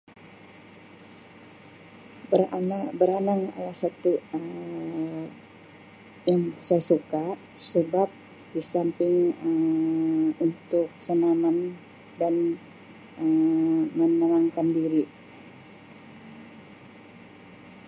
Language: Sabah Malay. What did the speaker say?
Berana-beranang adalah satu Um yang saya suka sebab di samping Um untuk senaman dan Um menenangkan diri.